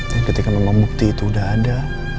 dan ketika memang bukti itu udah ada